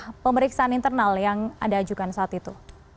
atau ada periksaan internal yang ada ajukan saat itu